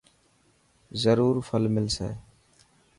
زرور ڦل ملسي .